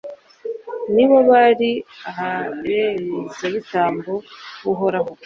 ni bo bari abaherezabitambo b'uhoraho